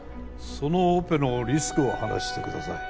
そのオペのリスクを話してください。